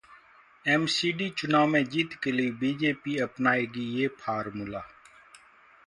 MCD चुनाव में जीत के लिए बीजेपी अपनाएगी ये फॉर्मूला....